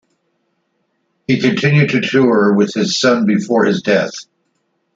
He continued to tour with his son before his death.